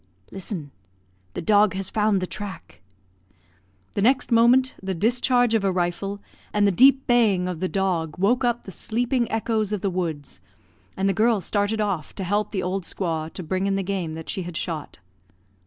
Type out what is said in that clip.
"Listen; the dog has found the track." The next moment the discharge of a rifle, and the deep baying of the dog, woke up the sleeping echoes of the woods; and the girl started off to help the old squaw to bring in the game that she had shot.